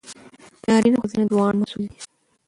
نارینه او ښځینه دواړه مسوول دي.